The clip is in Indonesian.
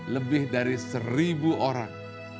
lebih dari seribu orang